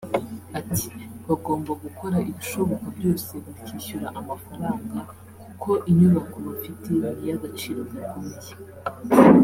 Ati “Bagomba gukora ibishoboka byose bakishyura amafaranga kuko inyubako bafite ni iy’agaciro gakomeye